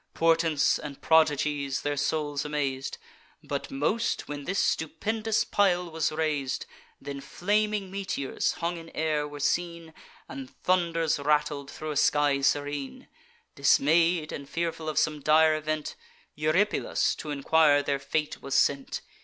Portents and prodigies their souls amaz'd; But most, when this stupendous pile was rais'd: Then flaming meteors, hung in air, were seen, And thunders rattled thro' a sky serene. Dismay'd, and fearful of some dire event, Eurypylus t' enquire their fate was sent.